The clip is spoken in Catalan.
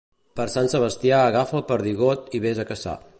Per Sant Sebastià agafa el perdigot i ves a caçar.